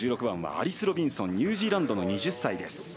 １６番アリス・ロビンソンニュージーランドの２０歳。